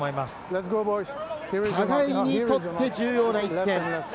お互いにとって重要な一戦。